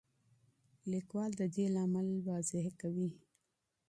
لیکوال د دې لامل تشریح کوي.